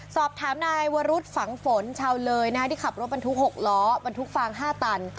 สอบถามนายวรุษฝังฝนชาวเลยที่ขับรถบรรทุก๖ล้อบรรทุกฟาง๕ตัน